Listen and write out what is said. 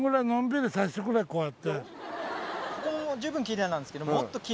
ここも十分きれいなんですけど。